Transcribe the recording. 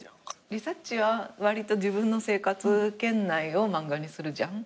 理佐っちはわりと自分の生活圏内を漫画にするじゃん。